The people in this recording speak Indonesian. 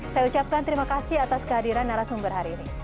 saya ucapkan terima kasih atas kehadiran narasumber hari ini